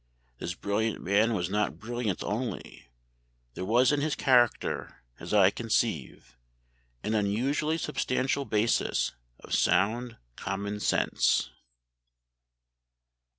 This brilliant man was not brilliant only; there was in his character, as I conceive, an unusually substantial basis of sound common sense."